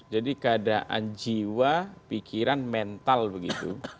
keadaan jiwa pikiran mental begitu